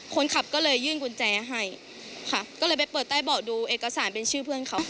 คนขับก็เลยยื่นกุญแจให้ค่ะก็เลยไปเปิดใต้เบาะดูเอกสารเป็นชื่อเพื่อนเขา